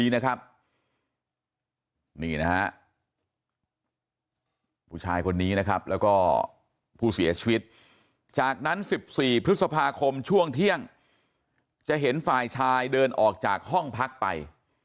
นี่นะฮะผู้ชายคนนี้นะครับแล้วก็ผู้เสียชีวิตจากนั้น๑๔พฤษภาคมช่วงเที่ยงจะเห็นฝ่ายชายเดินออกจากห้องพักไป